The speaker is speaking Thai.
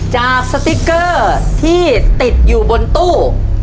สติ๊กเกอร์ที่ติดอยู่บนตู้